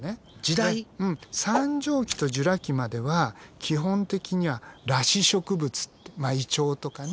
三畳紀とジュラ紀までは基本的には裸子植物ってイチョウとかね